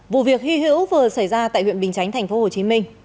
vụ việc hy hữu vừa xảy ra tại huyện bình chánh tp hcm